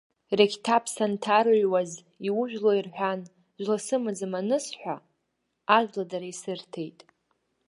Рықьҭаԥ санҭарыҩуаз, иужәлои рҳәан, жәла сымаӡам анысҳәа, ажәла дара исырҭеит.